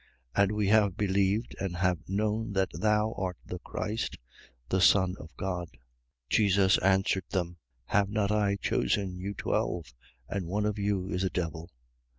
6:70. And we have believed and have known that thou art the Christ, the Son of God. 6:71. Jesus answered them: Have not I chosen you twelve? And one of you is a devil.